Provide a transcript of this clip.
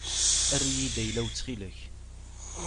Err-iyi-d ayla-w ttxil-k.